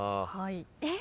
えっ？